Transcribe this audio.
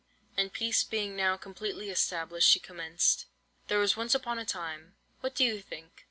And peace being now completely established, she commenced: "There was once upon a time—what do you think?"